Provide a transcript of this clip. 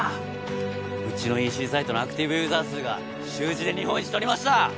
うちのＥＣサイトのアクティブユーザー数が週次で日本一とりました！